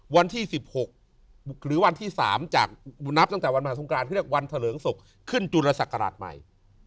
วันที่๑๖หรือวันที่๓จากนับตั้งแต่วันมหาสงกรานเขาเรียกวันเถลิงศกขึ้นจุลศักราชใหม่